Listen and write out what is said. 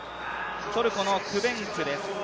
トルコのクベンクです。